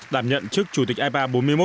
đảm nhận chức chủ tịch ipa bốn mươi một